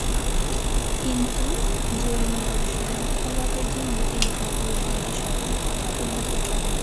কিন্তু জৈনদর্শন মোক্ষলাভের জন্য তিনটি অপরিহার্য শর্তের কথা উল্লেখ করে।